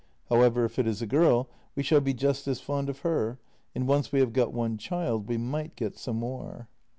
However, if it is a girl, we shall be just as fond of her — and once we have got one child we might get some more.